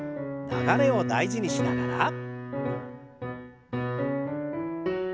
流れを大事にしながら。